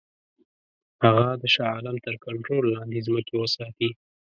هغه د شاه عالم تر کنټرول لاندي ځمکې وساتي.